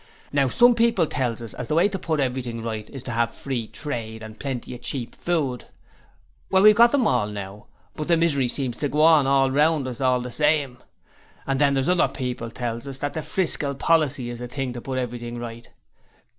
Now, some people tells us as the way to put everything right is to 'ave Free Trade and plenty of cheap food. Well, we've got them all now, but the misery seems to go on all around us all the same. Then there's other people tells us as the 'Friscal Policy' is the thing to put everything right.